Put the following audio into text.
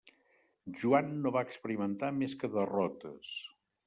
Joan no va experimentar més que derrotes.